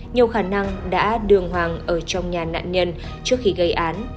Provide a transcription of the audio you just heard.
nhiều khả năng đã đường hoàng ở trong nhà nạn nhân trước khi gây án